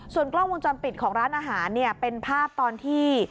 ส่วนกล้องวงจรปิดของร้านอาหารเป็นภาพตอนที่